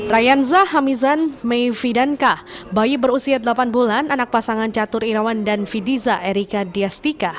rayanza hamizan meifi danka bayi berusia delapan bulan anak pasangan catur irawan dan fidiza erika diastika